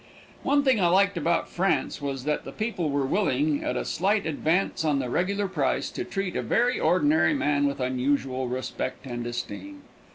One thing I liked about France was that the people were willing, at a slight advance on the regular price, to treat a very ordinary man with unusual respect and esteem.